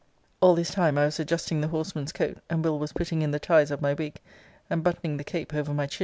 All this time I was adjusting the horseman's coat, and Will. was putting in the ties of my wig,* and buttoning the cape over my chin.